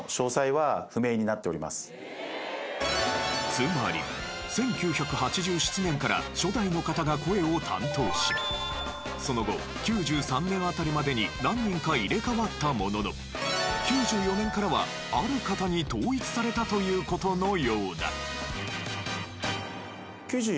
つまり１９８７年から初代の方が声を担当しその後９３年あたりまでに何人か入れ替わったものの９４年からはある方に統一されたという事のようだ。